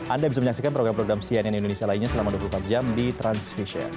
anda bisa menyaksikan program program cnn indonesia lainnya selama dua puluh empat jam di transvision